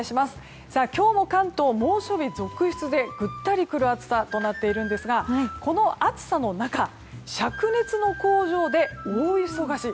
今日も関東、猛暑日続出でぐったりくる暑さとなっているんですがこの暑さの中、灼熱の工場で大忙し。